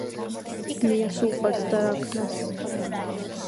ნიას უყვარს და რაქნას